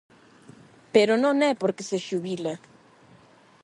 Pero non é porque se xubile.